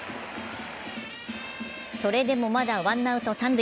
それでも、まだワンアウト三塁。